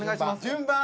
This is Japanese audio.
順番？